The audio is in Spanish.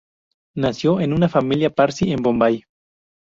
Nació en una familia Parsi en Bombay.